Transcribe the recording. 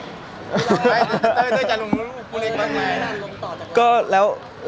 เต้ยจะลงรูปหลังไหน